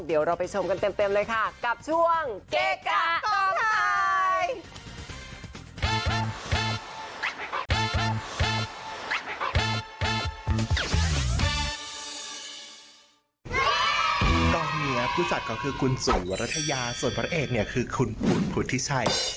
เดี๋ยวเราไปชมกันเต็มเลยค่ะกับช่วงเกะกะต่อไทย